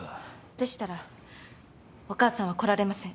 でしたらお母さんは来られません。